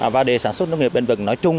và để sản xuất nước nghiệp bên vực nói chung